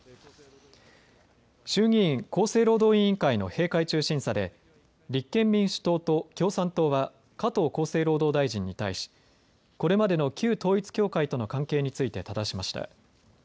衆議院厚生労働委員会の閉会中審査で立憲民主党と共産党は加藤厚生労働大臣に対しこれまでの旧統一教会との関係についてただしました。